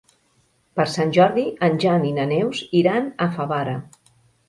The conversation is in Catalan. Per Sant Jordi en Jan i na Neus iran a Favara.